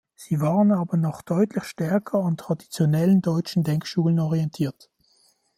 Sie waren aber noch deutlich stärker an traditionellen deutschen Denkschulen orientiert.